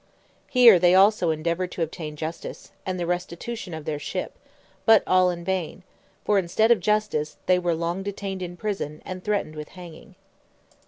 Here they also endeavoured to obtain justice, and the restitution of their ship, but all in vain; for instead of justice, they were long detained in prison, and threatened with hanging.